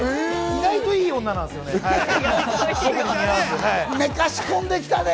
意外といい女なんですよね。